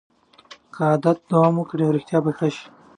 که دا عادت دوام وکړي روغتیا به ښه شي.